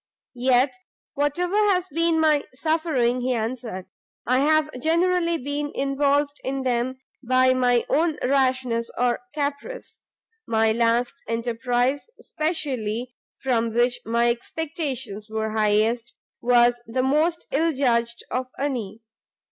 "Yet whatever have been my sufferings," he answered, "I have generally been involved in them by my own rashness or caprice. My last enterprise especially, from which my expectations were highest, was the most ill judged of any.